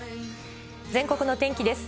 全国の天気です。